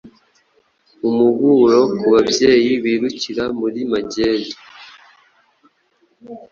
Umuburo ku babyeyi birukira muri magendu